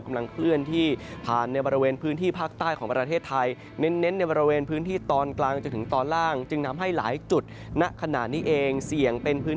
กำลังเคลื่อนที่ผ่านในบริเวณพื้นที่ภาคใต้ของประเทศไทย